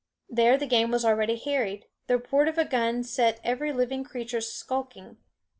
There the game was already harried; the report of a gun set every living creature skulking.